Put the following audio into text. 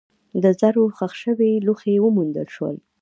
د زرو ښخ شوي لوښي وموندل شول.